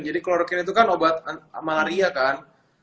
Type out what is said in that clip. jadi klorokin itu kan obat malaria kan